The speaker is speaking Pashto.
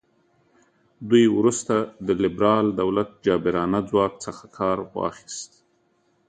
دوی وروسته د لیبرال دولت جابرانه ځواک څخه کار واخیست.